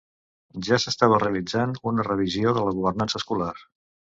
Ja s'estava realitzant una revisió de la governança escolar.